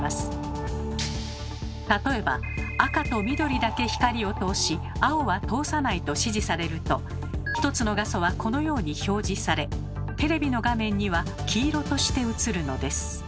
例えば「赤と緑だけ光を通し青は通さない」と指示されると１つの画素はこのように表示されテレビの画面には黄色として映るのです。